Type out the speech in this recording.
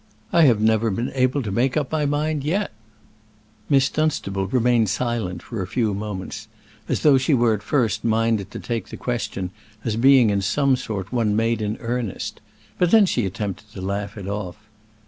I have never been able to make up my mind yet." Miss Dunstable remained silent for a few moments, as though she were at first minded to take the question as being, in some sort, one made in earnest; but then she attempted to laugh it off.